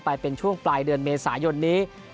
ไปเป็นช่วงปลายเดือนเมษายนนี้